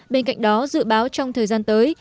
bên cạnh đó dự báo trong thời gian tới